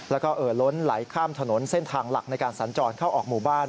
แล้วก็เอ่อล้นไหลข้ามถนนเส้นทางหลักในการสัญจรเข้าออกหมู่บ้าน